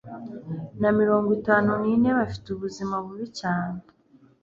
na mirongo itanu nine bafite ubuzima bubi cyane